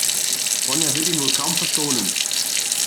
Ronja wird ihn wohl kaum verschonen.